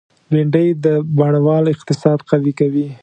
بېنډۍ د بڼوال اقتصاد قوي کوي